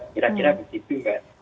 kira kira begitu mbak